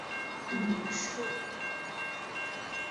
同年亦从华盛顿州基斯勒堡陆空联合作战学校结业。